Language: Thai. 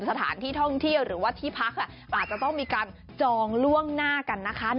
สถานที่ท่องเที่ยวหรือว่าที่พักอาจจะต้องมีการจองล่วงหน้ากันนะคะ